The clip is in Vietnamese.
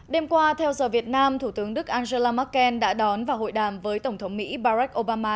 đêm qua theo giờ việt nam thủ tướng đức angela merkel đã đón và hội đàm với tổng thống mỹ barack obama